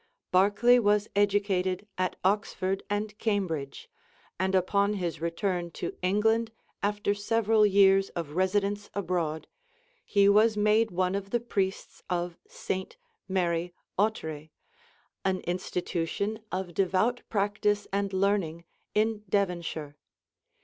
Barclay was educated at Oxford and Cambridge, and upon his return to England after several years of residence abroad, he was made one of the priests of Saint Mary Ottery, an institution of devout practice and learning in Devonshire.